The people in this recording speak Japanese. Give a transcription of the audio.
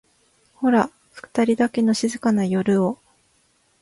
ホラふたりだけの静かな夜を